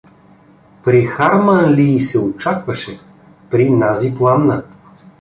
При Харманлий се очакваше, при нази пламна.